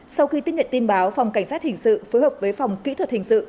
sau khi tiếp nhận tin báo phòng cảnh sát hình sự phối hợp với phòng kỹ thuật hình sự